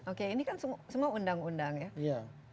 oke ini kan semua undang undang ya